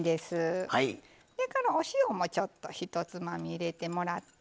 それからお塩もちょっと１つまみ入れてもらって。